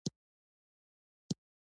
افغانستان د نفت په برخه کې نړیوال شهرت لري.